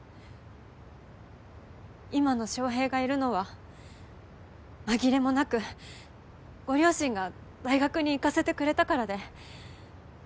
今の翔平がいるのは紛れもなくご両親が大学に行かせてくれたからで。